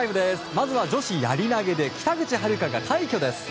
まずは女子やり投げで北口榛花が快挙です。